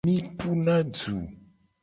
Mi puna du.